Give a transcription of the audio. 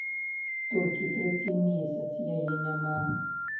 Толькі трэці месяц яе няма.